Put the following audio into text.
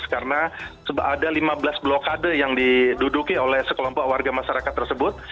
karena ada lima belas blokade yang diduduki oleh sekelompok warga masyarakat tersebut